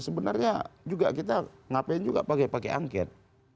sebenarnya juga kita ngapain juga pakai angket